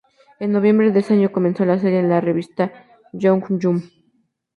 En noviembre de ese año, comenzó la serie en la revista Young Jump.